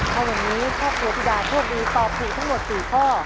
ถ้าวันนี้ครอบครัวพิดาทั่วมือตอบถูกทั้งหมด๔ข้อ